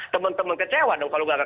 teman teman kecewa kalau gagal